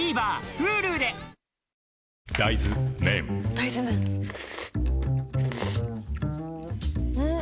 大豆麺ん？